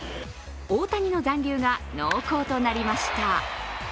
大谷の残留が濃厚となりました。